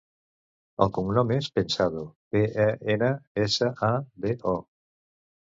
El cognom és Pensado: pe, e, ena, essa, a, de, o.